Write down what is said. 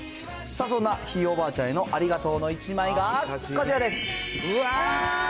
そんなひいおばあちゃんへのありがとうの１枚がこちらです。